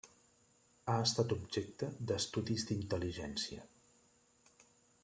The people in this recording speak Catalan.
Ha estat objecte d'estudis d'intel·ligència.